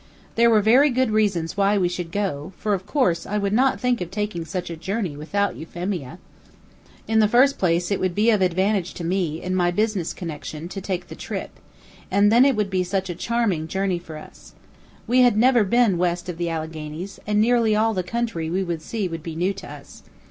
There were very good reasons why we should go (for, of course, I would not think of taking such a journey without Euphemia). In the first place, it would be of advantage to me, in my business connection, to take the trip, and then it would be such a charming journey for us. We had never been west of the Alleghanies, and nearly all the country we would see would be new to us.